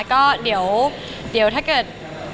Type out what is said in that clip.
ก็เดี๋ยวถ้าเกิด